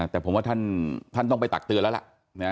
แต่ผมว่าท่านต้องไปตักเตือนแล้วล่ะ